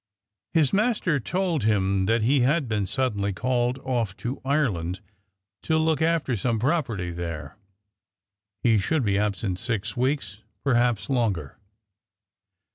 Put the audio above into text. His master told him that he had been suddenly called off to Ireland to look after some property there. He should be absent six weeks perhaps longer.